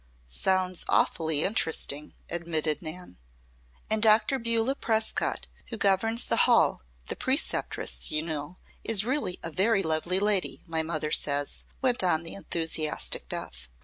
"Sounds awfully interesting," admitted Nan. "And Dr. Beulah Prescott, who governs the hall, the preceptress, you know, is really a very lovely lady, my mother says," went on the enthusiastic Bess.